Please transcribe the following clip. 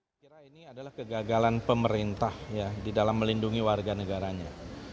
saya kira ini adalah kegagalan pemerintah di dalam melindungi warga negaranya